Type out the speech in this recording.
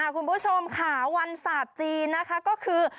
คุณผู้ชมค่ะวันศาสตร์จีนนะคะก็คือ